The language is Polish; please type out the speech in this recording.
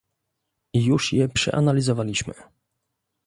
Już je przeanalizowaliśmy